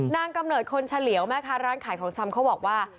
กำเนิดคนเฉลี่ยวแม่ค้าร้านขายของชำเขาบอกว่า